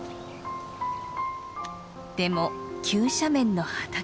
でも急斜面の畑。